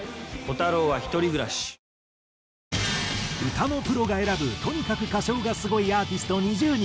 歌のプロが選ぶとにかく歌唱がスゴいアーティスト２０人。